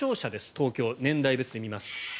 東京、年代別に見ます。